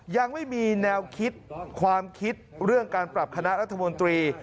ยังไม่มีแนวคิดความคิดเรื่องการปรับคณะรัฐมนตรี